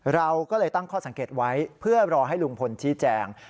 เราก็เลยตั้งข้อสังเกตไว้เพื่อรอให้ลุงพลชี้แจง